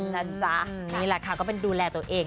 นะจ๊ะนี่แหละค่ะก็เป็นดูแลตัวเอง